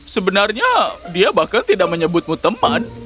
sebenarnya dia bahkan tidak menyebutmu teman